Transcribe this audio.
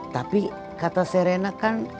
tapi kata serena kan